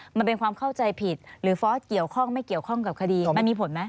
มันเป็นความเข้าใจผิดหรือฟอสเกี่ยวข้องไม่เกี่ยวข้องกับคดีมันมีผลไหม